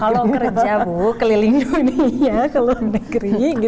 kalau kerja bu keliling dunia ke luar negeri